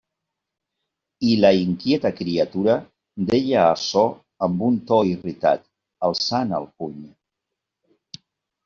I la inquieta criatura deia açò amb un to irritat, alçant el puny.